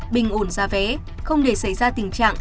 bình ổn giá vé không để xảy ra tình trạng